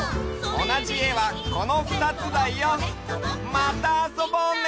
おなじえはこのふたつだよ。またあそぼうね！